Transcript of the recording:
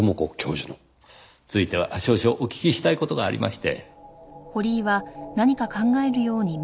ついては少々お聞きしたい事がありまして。